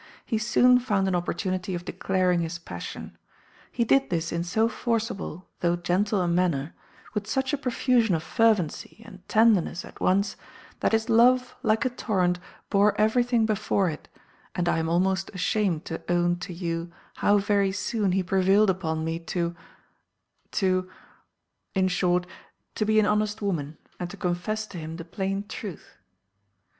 He soon found an opportunity of declaring his passion. He did this in so forcible though gentle a manner, with such a profusion of fervency and tenderness at once, that his love, like a torrent, bore everything before it; and I am almost ashamed to own to you how very soon he prevailed upon me to to in short, to be an honest woman, and to confess to him the plain truth.